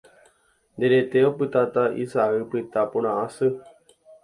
nde rete opytáta isa'y pytã porã asy.